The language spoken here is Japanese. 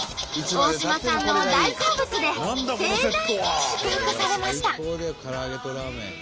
大島さんの大好物で盛大に祝福されました。